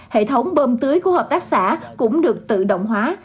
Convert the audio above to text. hệ thống bơm tưới của hợp tác xã cũng được tự động hóa